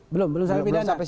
belum sampai di tahan